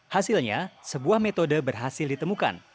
hasilnya sebuah metode berhasil ditemukan